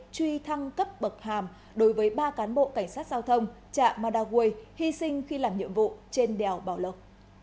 truy thăng cấp bậc hàm đối với ba cán bộ cảnh sát giao thông trạm madaway hy sinh khi làm nhiệm vụ trên đèo bảo lộc